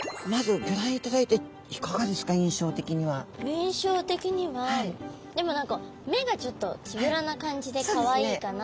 印象的にはでも何か目がちょっとつぶらな感じでかわいいかなっていう。